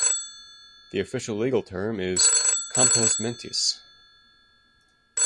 The official legal term is "compos mentis".